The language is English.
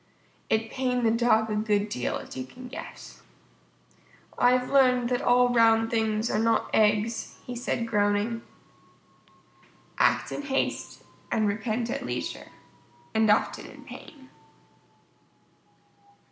It pained the Dog a good deal, as you can guess. "I've learned that all round things are not eggs," he said groaning. _Act in haste and repent at leisure and often in pain.